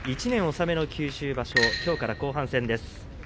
納めの九州場所きょうから後半戦です。